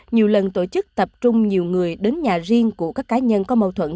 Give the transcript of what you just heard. nhiều lần tổ chức tập trung nhiều người đến nhà riêng của các cá nhân có mâu thuẫn